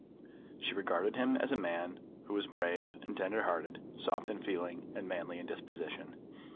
She regarded him as a man who was brave and tender hearted, soft in feeling and manly in disposition.